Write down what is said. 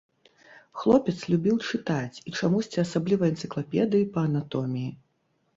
Хлопец любіў чытаць, і чамусьці асабліва энцыклапедыі па анатоміі.